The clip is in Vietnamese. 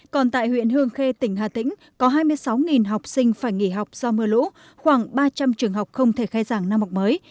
còn tại huyện hương khê tỉnh hà tĩnh có hai mươi sáu học sinh phải nghỉ học do mưa lũ khoảng ba trăm linh trường học không thể khai giảng năm học mới